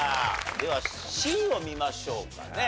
ではＣを見ましょうかね。